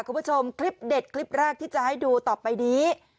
คุณผู้ชมคลิปเด็ดคลิปแรกที่จะให้ดูต่อไปนี้